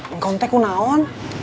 engkau itu kenaon